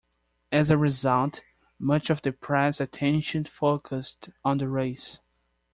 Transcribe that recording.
As a result, much of the press attention focused on race.